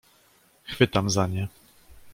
"Chwytam za nie."